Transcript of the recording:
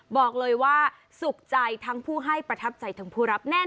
บอกเลยว่าสุขใจทั้งผู้ให้ประทับใจทั้งผู้รับแน่น